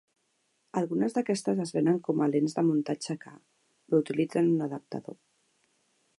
Algunes d'aquestes es venen com a lents de muntatge K, però utilitzen un adaptador.